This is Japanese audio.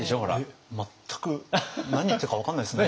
えっ全く何言ってるか分からないですね。